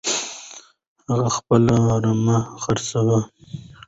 هغه خپله رمه خرڅوي.